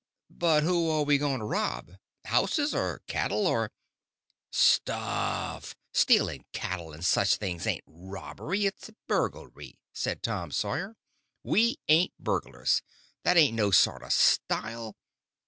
"But who are we going to rob?—houses, or cattle, or—" "Stuff! stealing cattle and such things ain't robbery; it's burglary," says Tom Sawyer. "We ain't burglars. That ain't no sort of style.